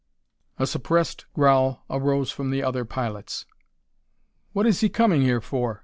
A suppressed growl arose from the other pilots. "What is he coming here for?"